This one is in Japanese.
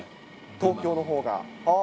東京のほうが。